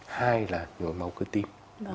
hai là nhồi máu cơ tim